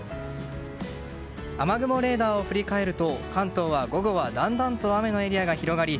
雨雲レーダーを振り返ると関東は午後はだんだんと雨のエリアが広がり